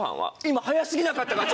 今早すぎなかったか？